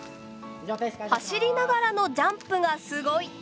走りながらのジャンプがすごい！